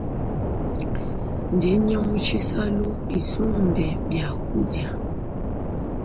Ndinya mu tshisalu isumbe biakudia.